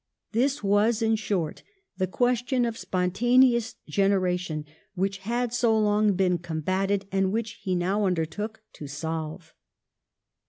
This was, in short, the question of spontaneous generation, which had so long been combatted and which he now undertook to solve.